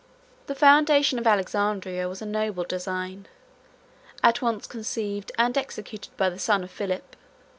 The foundation of Alexandria was a noble design, at once conceived and executed by the son of Philip.